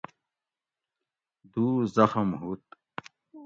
دُو زخم ہُوت